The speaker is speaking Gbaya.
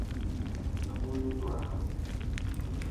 Mɛ hú̧í̧ nútua há̧ʼm.